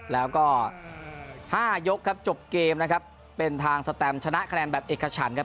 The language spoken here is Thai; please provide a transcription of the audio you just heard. แล้วก็ห้ายกครับจบเกมนะครับเป็นทางสแตมชนะคะแนนแบบเอกฉันครับ